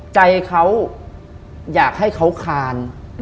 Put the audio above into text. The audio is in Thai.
ใจเขาอยากให้เขาคาน